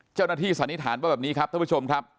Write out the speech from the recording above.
เจ้าหน้าที่สันนิษฐานว่าแบบนี้ครับท่านผู้ชมครับ